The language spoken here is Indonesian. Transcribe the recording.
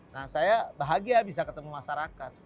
nah saya bahagia bisa ketemu masyarakat